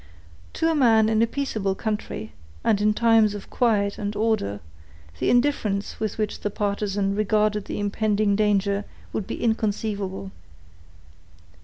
To a man in a peaceable country, and in times of quiet and order, the indifference with which the partisan regarded the impending danger would be inconceivable.